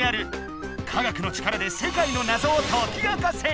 科学の力で世界のなぞをとき明かせ！